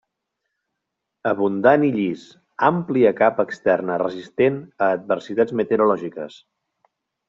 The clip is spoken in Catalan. Abundant i llis; àmplia capa externa resistent a adversitats meteorològiques.